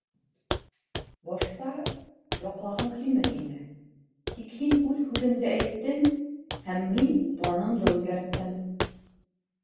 Башта яҡлағым килмәгәйне, тик һин үҙ һүҙенде әйттең һәм мин планымды үҙгәрттем.